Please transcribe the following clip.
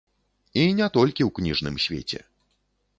І не толькі ў кніжным свеце.